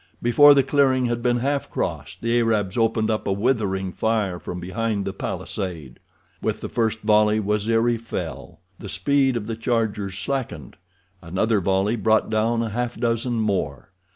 Before the clearing had been half crossed the Arabs opened up a withering fire from behind the palisade. With the first volley Waziri fell. The speed of the chargers slackened. Another volley brought down a half dozen more.